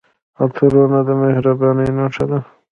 عطرونه د مهربانۍ نښه ده.